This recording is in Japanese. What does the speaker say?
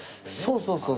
そうそう。